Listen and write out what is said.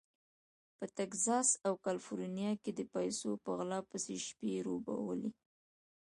په تګزاس او کالیفورنیا کې د پیسو په غلا پسې شپې روڼولې.